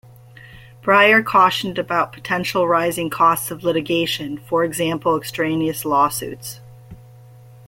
Breyer cautioned about potential rising costs of litigation, for example, extraneous lawsuits.